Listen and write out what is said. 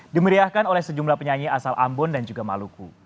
dimeriahkan oleh sejumlah penyanyi asal ambon dan juga maluku